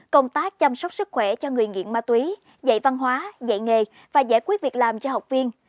công tác chăm sóc sức khỏe cho người nghiện ma túy dạy văn hóa dạy nghề và giải quyết việc làm cho học viên